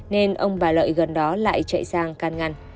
nên ông bà lợi gần đó lại chạy sang can ngăn